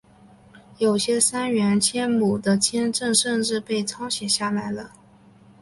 有些杉原千亩的签证甚至被抄写了下来。